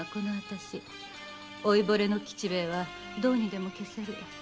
老いぼれの吉兵衛はどうにでも消せる。